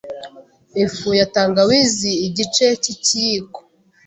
Ifu ya tangawizi igice cy’ikiyiko